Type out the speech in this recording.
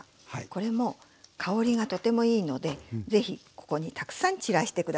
これも香りがとてもいいので是非ここにたくさん散らして下さい。